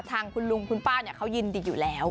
ทางคุณลุงคุณป้าเขายินดีอยู่แล้ว